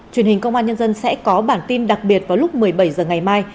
truyền hình công an nhân dân sẽ có bản tin đặc biệt vào lúc một mươi bảy h ngày mai